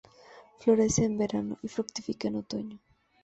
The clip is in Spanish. Florece en verano y fructifica en otoño.